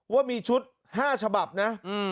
ว่ามีชุด๕ฉบับนะ